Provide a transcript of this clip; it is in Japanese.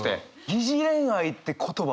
「疑似恋愛」って言葉